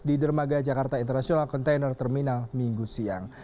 di dermaga jakarta international container terminal minggu siang